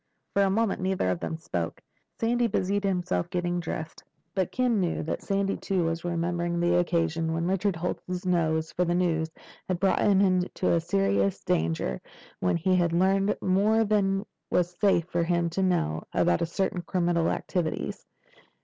For a moment neither of them spoke. Sandy busied himself getting dressed. But Ken knew that Sandy too was remembering the occasion when Richard Holt's nose for news had brought him into serious danger, when he had learned more than was safe for him to know about certain criminal activities.